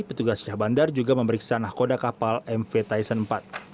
petugas syah bandar juga memeriksa nahkoda kapal mv tyson empat